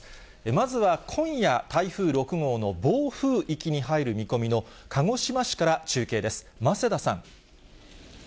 まずは今夜、台風６号の暴風域に入る見込みの鹿児島市から中継です。